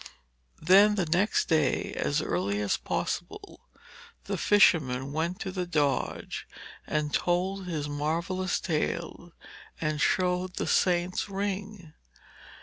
Then the next day, as early as possible, the fisherman went to the Doge and told his marvellous tale and showed the saint's ring.